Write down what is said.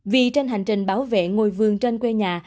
vì trên hành trình bảo vệ ngôi vườn trên quê nhà